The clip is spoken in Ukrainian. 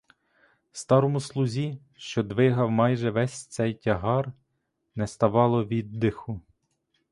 Старому слузі, що двигав майже ввесь цей тягар, не ставало віддиху.